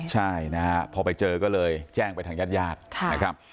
ใช่นะฮะพอไปเจอก็เลยแจ้งไปทางญาติญาตินะครับ